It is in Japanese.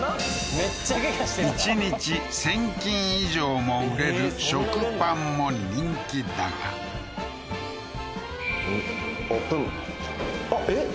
めっちゃケガしてるから１日１０００斤以上も売れる食パンも人気だがオープンあっえっ？